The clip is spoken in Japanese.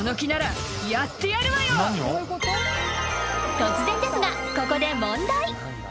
［突然ですがここで問題］